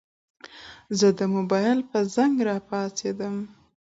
زه د موبايل په زنګ راپاڅېدم.